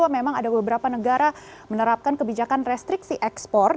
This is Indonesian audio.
dua ribu dua puluh dua memang ada beberapa negara menerapkan kebijakan restriksi ekspor